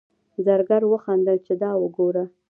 زرګر وخندل چې دا وګوره.